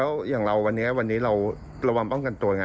แล้วอย่างเราวันนี้เราระวังป้องกันตัวอย่างไร